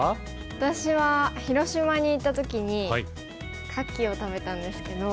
私は広島に行った時にカキを食べたんですけど。